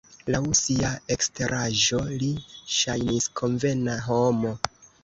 Laŭ sia eksteraĵo li ŝajnis konvena homo.